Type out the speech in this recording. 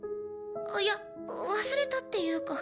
いや忘れたっていうか